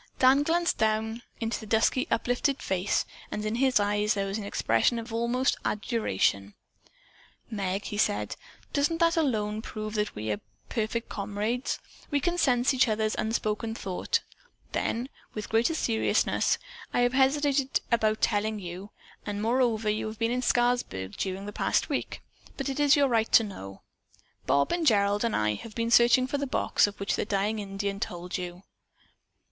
Dan glanced down into the dusky uplifted face and in his eyes there was an expression almost of adoration. "Meg," he said, "doesn't that alone prove that we are perfect comrades? We can sense each other's unspoken thought." Then, with greater seriousness: "I have hesitated about telling you, and moreover you have been in Scarsburg during the past week, but it is your right to know. Bob and Gerald and I have been searching for the box of which the dying Indian told you."